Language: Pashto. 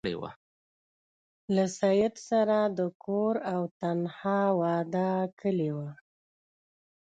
له سید سره د کور او تنخوا وعده کړې وه.